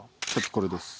これです。